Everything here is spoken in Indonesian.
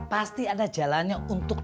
pasti ada jalannya untuk